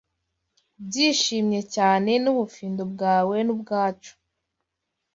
byishimye cyane nubufindo bwawe nubwacu!